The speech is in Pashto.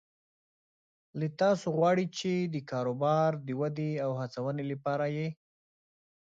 له تاسو غواړي چې د کاروبار د ودې او هڅونې لپاره یې